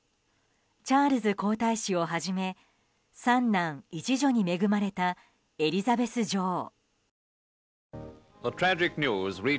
チャールズ皇太子をはじめ３男１女に恵まれたエリザベス女王。